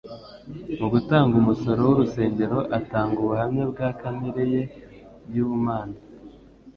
Mu gutanga umusoro w'urusengero atanga ubuhamya bwa kamere ye y'ubumana.